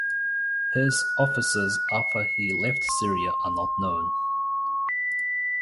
His offices after he left Syria are not known.